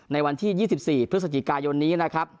ในวันที่๒๔พฤศจิกายนนี้นะครับ